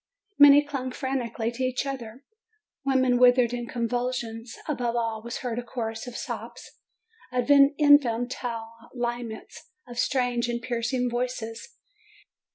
Many clung frantically to each other. Women writhed in convulsions. Above all was heard a chorus of sobs, of infantile laments, of strange and piercing voices.